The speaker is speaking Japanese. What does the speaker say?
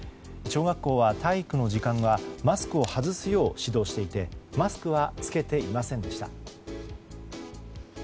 小学校は体育の時間はマスクを外すよう指導していてマスクは着けていまんでした。